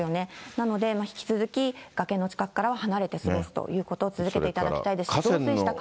なので引き続き、崖の近くからは離れて過ごすということを続けていただきたいですし、増水した川。